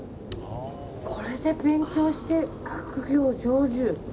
これで勉強して学業成就。